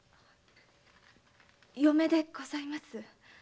嫁でございます。